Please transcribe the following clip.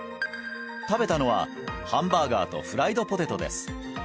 食べたのはハンバーガーとフライドポテトです